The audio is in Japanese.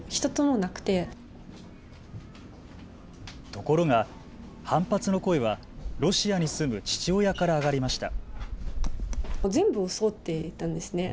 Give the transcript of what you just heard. ところが反発の声はロシアに住む父親から上がりました。